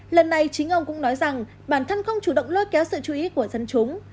lần này chính ông cũng nói rằng bản thân không chủ động lôi kéo sự chú ý của dân chúng